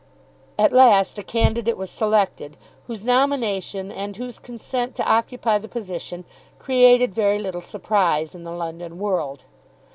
At last a candidate was selected, whose nomination and whose consent to occupy the position created very great surprise in the London world.